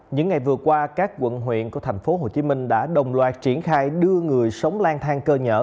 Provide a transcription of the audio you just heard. những ngày vừa qua các quận huyện của tp hcm đã đồng loạt triển khai đưa người sống lang thang cơ nhở